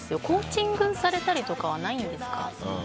コーチングされたりとかはないんですか？